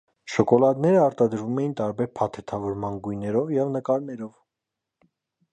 Շոկոլադները արտադրվում էին տարբեր փաթեթավորման գույներով և նկարներով։